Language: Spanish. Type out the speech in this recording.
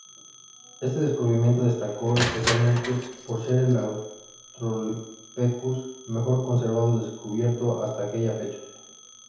Este descubrimiento destacó especialmente por ser el "Australopithecus" mejor conservado descubierto hasta aquella fecha.